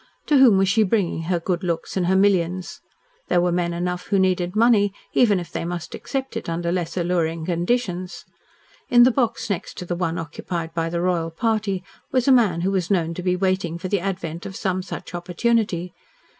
To whom was she bringing her good looks and her millions? There were men enough who needed money, even if they must accept it under less alluring conditions. In the box next to the one occupied by the royal party was a man who was known to be waiting for the advent of some such opportunity.